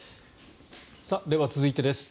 では、続いてです。